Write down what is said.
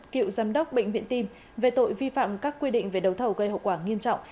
cựu giám đốc bệnh viện tim về tội vi phạm các quy định về đấu thầu gây hậu quả nghiêm trọng